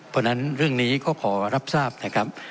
เพราะฉะนั้นเรื่องนี้ก็ขอรับทราบนะครับ